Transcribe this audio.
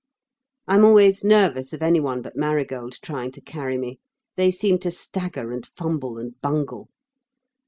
I am always nervous of anyone but Marigold trying to carry me. They seem to stagger and fumble and bungle.